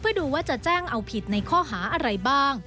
เพื่อดูว่าจะแจ้งเอาผิดในข้อหาอะไรบ้าง